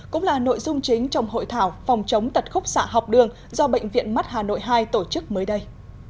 cũng là nội dung chính trong hội thảo phòng chống tật khúc xạ học đường do bệnh viện mắt hà nội hai tổ chức mới đây